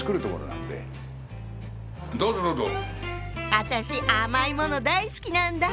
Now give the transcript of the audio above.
私甘いもの大好きなんだ。